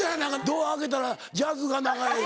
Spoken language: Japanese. ドア開けたらジャズが流れる。